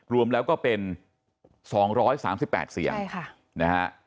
รวมแล้วก็เป็น๒๓๘เสียงนะฮะ